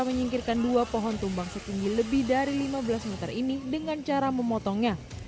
menyingkirkan dua pohon tumbang setinggi lebih dari lima belas meter ini dengan cara memotongnya